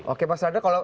oke pak sardar